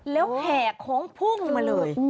แล้วแห่โค้งพุ่งมาเลย